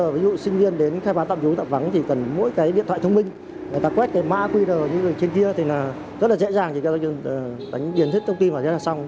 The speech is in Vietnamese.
ví dụ sinh viên đến khai bán tạm trú tạm vắng thì cần mỗi cái điện thoại thông minh người ta quét cái mã quy đờ như trên kia thì rất là dễ dàng đánh điền hết thông tin vào như thế là xong